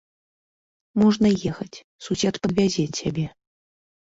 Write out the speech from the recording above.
Можна ехаць, сусед падвязе цябе.